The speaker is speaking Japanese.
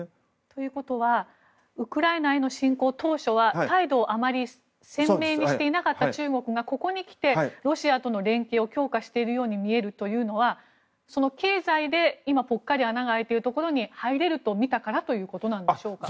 ということはウクライナへの侵攻当初は態度をあまり鮮明にしていなかった中国がここにきてロシアとの連携を強化しているように見えるというのはその経済で今ぽっかり穴が開いているところに入れるとみたからということなんでしょうか。